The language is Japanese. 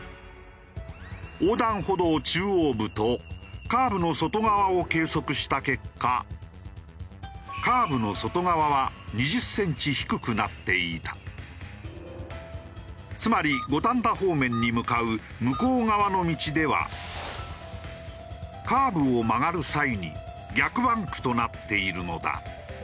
横断歩道中央部とカーブの外側を計測した結果カーブの外側はつまり五反田方面に向かう向こう側の道ではカーブを曲がる際に逆バンクとなっているのだ。